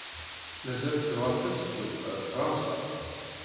Mazal tebɣamt ad teddumt ɣer Fṛansa?